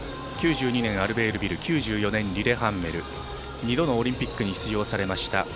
９２年アルベールビル９４年リレハンメル２度のオリンピックに出場されました。